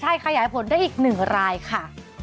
ใช่ขยายผลได้อีก๑รายค่ะ